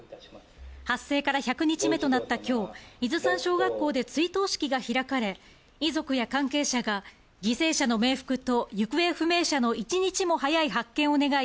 発生から１００日目となった今日、伊豆山小学校で追悼式が開かれ、遺族や関係者が犠牲者の冥福と行方不明者の一日も早い発見を願い